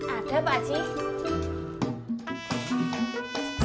ada pak aji